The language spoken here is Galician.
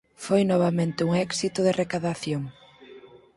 Foi novamente un éxito de recadación.